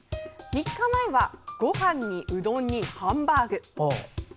３日前は、ごはんにうどんにハンバーグ。